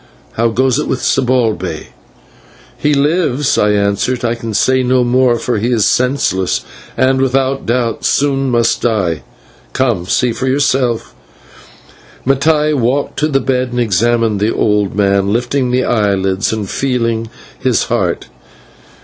How goes it with Zibalbay?" "He lives," I answered; "I can say no more, for he is senseless, and, without doubt, soon must die. But come, see for yourself." Mattai walked to the bed and examined the old man, lifting the eyelids and feeling his heart.